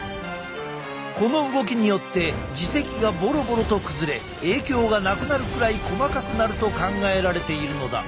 この動きによって耳石がボロボロと崩れ影響がなくなるくらい細かくなると考えられているのだ。